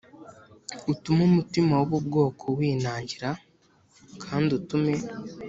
Utume umutima w ubu bwoko winangira l kandi utume